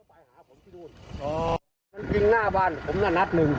วันดังนั้นนัดหนึ่ง